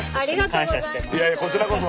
いやいやこちらこそ。